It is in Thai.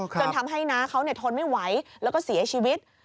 จนทำให้น้าเขาทนไม่ไหวแล้วก็เสียชีวิต